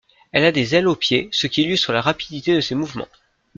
Elle a des ailes aux pieds, ce qui illustre la rapidité de ses mouvements.